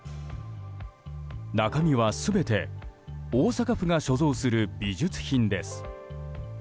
中身は全て大阪府が所蔵する美術品です。